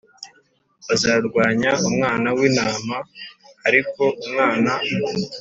Bazarwanya Umwana w Intama ariko Umwana